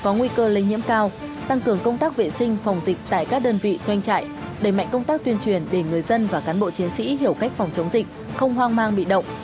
có nguy cơ lây nhiễm cao tăng cường công tác vệ sinh phòng dịch tại các đơn vị doanh trại đẩy mạnh công tác tuyên truyền để người dân và cán bộ chiến sĩ hiểu cách phòng chống dịch không hoang mang bị động